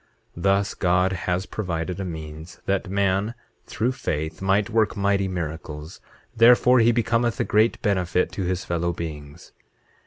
8:18 Thus God has provided a means that man, through faith, might work mighty miracles; therefore he becometh a great benefit to his fellow beings.